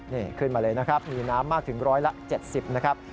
นี่ขึ้นมาเลยนะครับมีน้ำมากถึงร้อยละ๗๐นะครับ